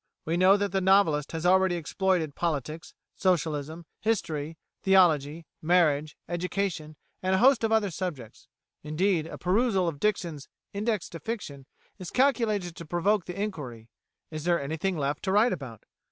We know that the novelist has already exploited Politics, Socialism, History, Theology, Marriage, Education, and a host of other subjects; indeed, a perusal of Dixon's "Index to Fiction" is calculated to provoke the inquiry: "Is there anything left to write about?"